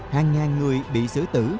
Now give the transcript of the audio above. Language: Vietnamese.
hàng ngàn người bị sử tử